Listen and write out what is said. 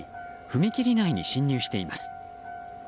踏切内に進入しています。